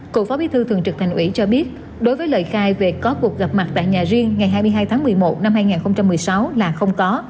cựu phó bí thư thường trực thành ủy cho biết đối với lời khai về có cuộc gặp mặt tại nhà riêng ngày hai mươi hai tháng một mươi một năm hai nghìn một mươi sáu là không có